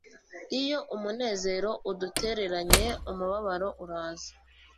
iyo umunezero udutereranye, umubabaro uraza